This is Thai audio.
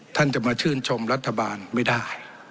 ท่านจะมาชื่นชมรัฐบาลไม่ได้